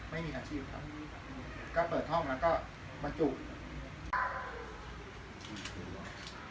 ไม่มีอาชีพครับ